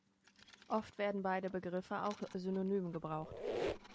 Oft werden beide Begriffe auch synonym gebraucht.